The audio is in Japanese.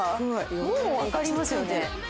もうわかりますよね！